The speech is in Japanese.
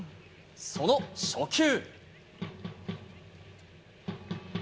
その初球。